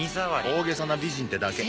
大げさな美人ってだけ。